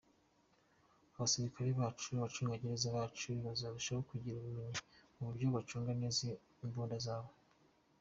Abasirikare bacu, abacungagereza bacu bazarushaho kugira ubumenyi mu buryo bwo gucunga neza imbunda zabo.